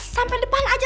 sampai depan aja